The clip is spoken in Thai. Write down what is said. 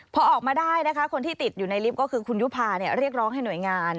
พอออกมาได้นะคะคนที่ติดอยู่ในลิฟต์ก็คือคุณยุภาเรียกร้องให้หน่วยงาน